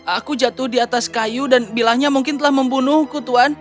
aku jatuh di atas kayu dan bilahnya mungkin telah membunuhku tuan